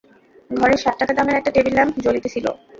ঘরে সাত টাকা দামের একটা টেবিল ল্যাম্প জ্বলিতেছিল।